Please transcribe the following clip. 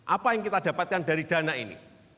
apa yang kita dapatkan dari dana ini